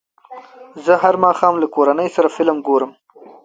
زه هر ماښام له کورنۍ سره فلم ګورم.